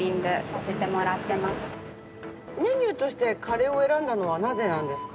メニューとしてカレーを選んだのはなぜなんですか？